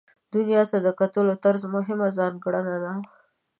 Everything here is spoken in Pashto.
دنیا ته د کتلو طرز مهمه ځانګړنه ده.